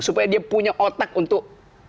supaya dia punya otak untuk